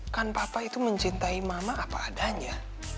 kan papa itu mencintai mama apa adanya